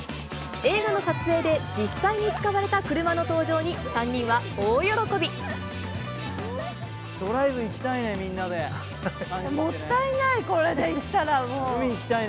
映画の撮影で実際に使われたドライブ行きたいね、みんなもったいない、これで行った海行きたいね。